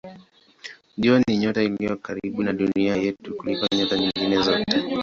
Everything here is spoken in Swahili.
Jua ni nyota iliyo karibu na Dunia yetu kuliko nyota nyingine zote.